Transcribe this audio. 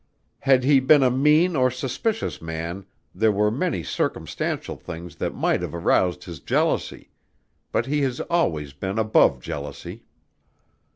"Had he been a mean or suspicious man there were many circumstantial things that might have aroused his jealousy, but he has always been above jealousy.